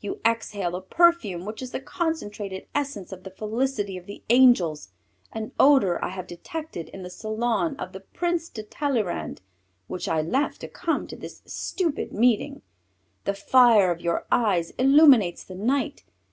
You exhale a perfume which is the concentrated essence of the felicity of the angels, an odour I have detected in the salon of the Prince de Talleyrand, which I left to come to this stupid meeting. The fire of your eyes illuminates the night!